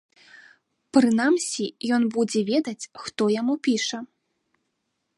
Прынамсі, ён будзе ведаць, хто яму піша.